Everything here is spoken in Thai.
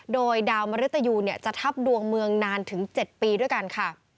โดยดาวมริตยูจะทับดวงเมืองนานถึง๗ปีด้วยกันค่ะ